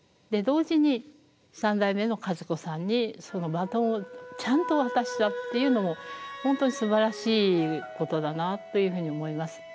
同時に三代目の一子さんにそのバトンをちゃんと渡したっていうのも本当にすばらしいことだなあというふうに思います。